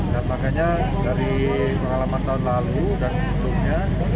dan makanya dari pengalaman tahun lalu dan sebelumnya